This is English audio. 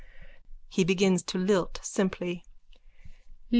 _(He begins to lilt simply.)